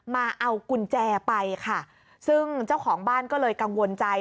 มาเอากุญแจไปค่ะซึ่งเจ้าของบ้านก็เลยกังวลใจ